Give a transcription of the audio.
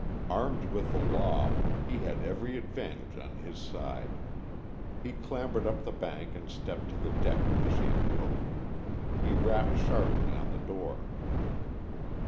Armed with the law, he had every advantage on his side. He clambered up the bank and stepped to the deck of the shanty boat. He rapped sharply on the door.